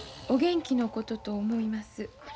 お元気のことと思います。